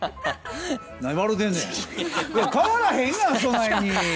変わらへんがなそないに。